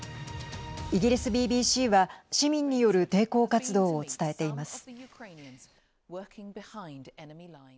イギリスＢＢＣは、市民による抵抗活動を伝えています。